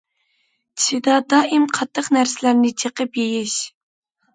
چىشىدا دائىم قاتتىق نەرسىلەرنى چېقىپ يېيىش.